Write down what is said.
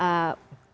dan dari pak amin rais